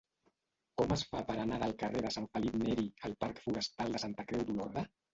Com es fa per anar del carrer de Sant Felip Neri al parc Forestal de Santa Creu d'Olorda?